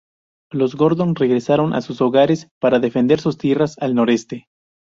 Los Gordon regresaron a sus hogares, para defender sus tierras al noreste.